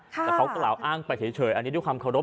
แต่เขากล่าวอ้างไปเฉยอันนี้ด้วยความเคารพ